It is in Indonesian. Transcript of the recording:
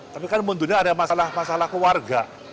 tapi kan mundurnya ada masalah masalah keluarga